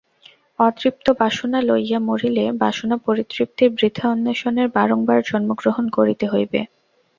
অতৃপ্ত বাসনা লইয়া মরিলে বাসনা-পরিতৃপ্তির বৃথা অন্বেষণে বারংবার জন্মগ্রহণ করিতে হইবে।